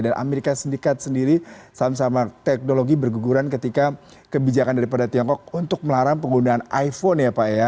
dan amerika sendikat sendiri saham saham teknologi berguguran ketika kebijakan daripada tiongkok untuk melarang penggunaan iphone ya pak ya